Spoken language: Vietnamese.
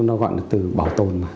nó gọi là từ bảo tồn mà